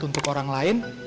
untuk orang lain